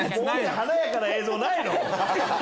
華やかな映像ないの？